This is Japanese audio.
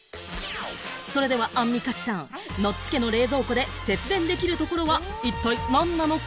それではアンミカさん、ノッチ家の冷蔵庫で節電できるところは一体何なのか？